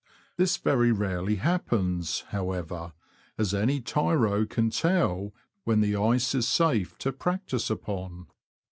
This very rarely happens, however, as any tyro can tell when the ice is safe to practise upon.